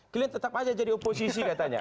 kalian tetap aja jadi oposisi katanya